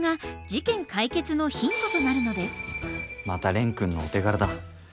また蓮くんのお手柄だ。